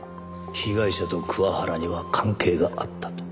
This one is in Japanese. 被害者と桑原には関係があったと。